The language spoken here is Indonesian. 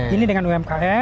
ini dengan umkm